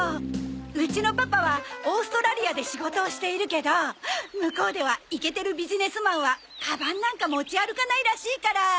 うちのパパはオーストラリアで仕事をしているけど向こうではイケてるビジネスマンはカバンなんか持ち歩かないらしいから。